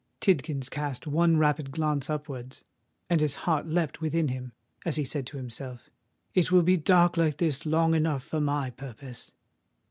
Tidkins cast one rapid glance upwards; and his heart leapt within him, as he said to himself, "It will be dark like this long enough for my purpose."